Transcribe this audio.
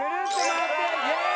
イエーイ！